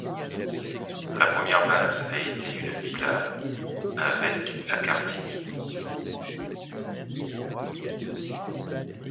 La première base a été une villa avec à Cartigny.